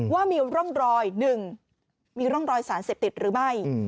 ว่ามีร่องรอย๑มีร่องรอยสารเสพติดหรือไม่